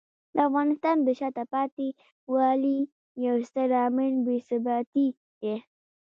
د افغانستان د شاته پاتې والي یو ستر عامل بې ثباتي دی.